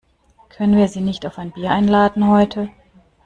Können wir sie nicht auf ein Bier einladen heute?